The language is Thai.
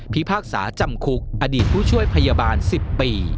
พิพากษาจำคุกอดีตผู้ช่วยพยาบาล๑๐ปี